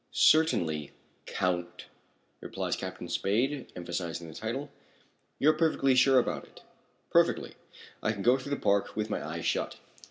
"Certainly, Count" replied Captain Spade, emphasizing the title. "You are perfectly sure about it?" "Perfectly. I could go through the park with my eyes shut.